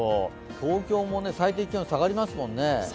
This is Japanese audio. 東京も最低気温、下がりますもんね。